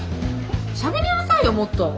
しゃべりなさいよもっと。